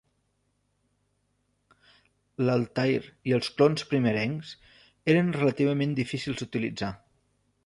L'Altair i els clons primerencs, eren relativament difícils d'utilitzar.